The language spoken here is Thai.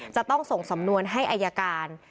จะต้องส่งสำนวนให้อายการ